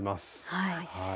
はい。